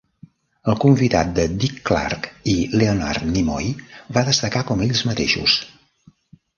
El convidat de Dick Clark i Leonard Nimoy va destacar com ells mateixos.